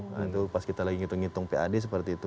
nah itu pas kita lagi ngitung ngitung pad seperti itu